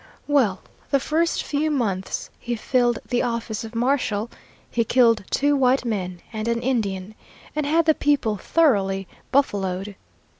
"Well, the first few months he filled the office of marshal he killed two white men and an Indian, and had the people thoroughly buffaloed.